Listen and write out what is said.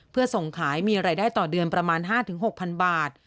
เพื่อส่งขายมีรายได้ต่อเดือนประมาณ๕๖๐๐๐บาท